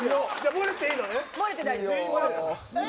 漏れていいのね。